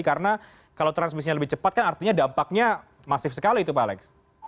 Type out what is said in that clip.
karena kalau transmisinya lebih cepat kan artinya dampaknya masif sekali itu pak alex